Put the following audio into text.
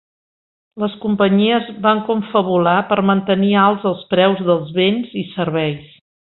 Les companyies van confabular per mantenir alts els preus dels béns i serveis.